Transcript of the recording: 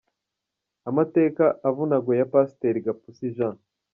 Amateka avunaguye ya Pasiteri Gapusi Jean.